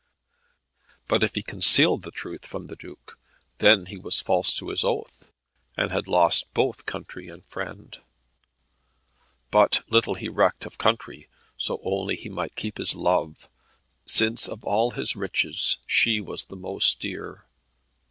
But if he concealed the truth from the Duke, then he was false to his oath, and had lost both country and friend. But little he recked of country, so only he might keep his Love, since of all his riches she was the most dear.